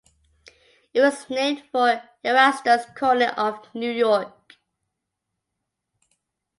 It was named for Erastus Corning, of New York.